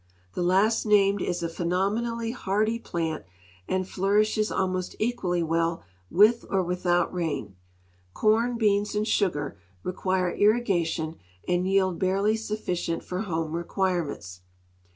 The last named is a phenomenally hardy plant and flourishes almost equally well with or without rain ; corn, beans, and sugar require irrigation and yield barely sufficient for home requirements.